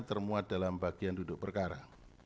termuat dalam bagian duduk perkara